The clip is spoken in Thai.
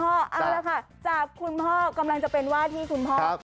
เอาละค่ะจากคุณพ่อกำลังจะเป็นว่าที่คุณพ่อ